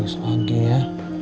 ya nanti ya